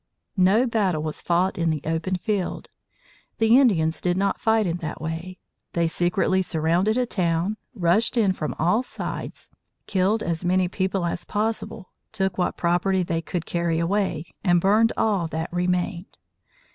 No battle was fought in the open field. The Indians did not fight in that way. They secretly surrounded a town, rushed in from all sides, killed as many people as possible, took what property they could carry away, and burned all that remained.